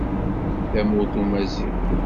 Tamurt umaziɣ.